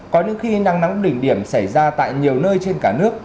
có những khi năng nắng đỉnh điểm xảy ra tại nhiều nơi trên cả nước